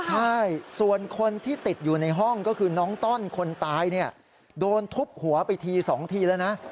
ใช่ส่วนคนที่ติดอยู่ในห้องก็คือน้องต้อนคนตายเนี่ยโดนทุบหัวไปที๒ทีแล้วนะ